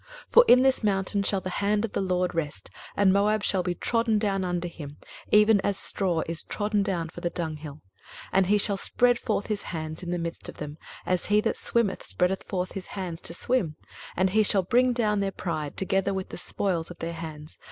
23:025:010 For in this mountain shall the hand of the LORD rest, and Moab shall be trodden down under him, even as straw is trodden down for the dunghill. 23:025:011 And he shall spread forth his hands in the midst of them, as he that swimmeth spreadeth forth his hands to swim: and he shall bring down their pride together with the spoils of their hands.